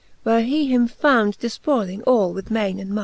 Where he him found defpoyling all with maine and might.